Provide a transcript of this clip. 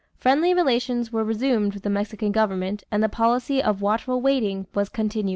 Friendly relations were resumed with the Mexican government and the policy of "watchful waiting" was continued.